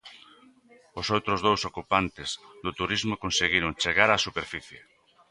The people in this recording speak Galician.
Os outros dous ocupantes do turismo conseguiron chegar á superficie.